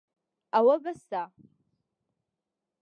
ئەوە بەسە.